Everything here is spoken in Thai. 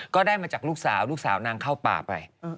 ก็ได้มาจากลูกสาวลูกสาวนางเข้าป่าไป